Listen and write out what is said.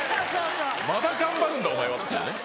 まだ頑張るんだお前はっていうね。